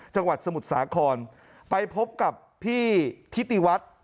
สมุทรสาครไปพบกับพี่ทิติวัฒน์